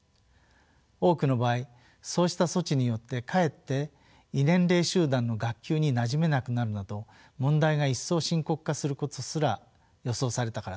多くの場合そうした措置によってかえって異年齢集団の学級になじめなくなるなど問題が一層深刻化することすら予想されたからです。